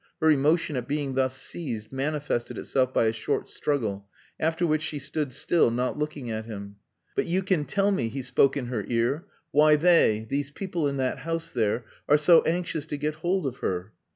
Her emotion at being thus seized manifested itself by a short struggle, after which she stood still, not looking at him. "But you can tell me," he spoke in her ear, "why they these people in that house there are so anxious to get hold of her?"